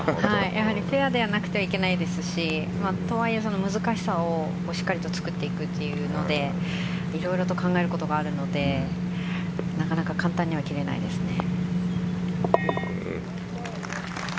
フェアではなくてはいけないですしとはいえ難しさをしっかりと作っていくというので色々と考えることがあるのでなかなか簡単には切れないですね。